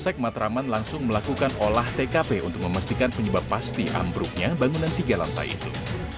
sek matraman langsung melakukan olah tkp untuk memastikan penyebab pasti ambruknya bangunan tiga lantai itu